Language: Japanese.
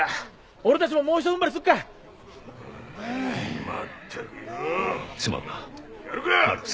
俺たちももうひと踏ん張りすっかまったくようすまんなマルクス